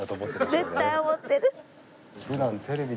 絶対思ってる。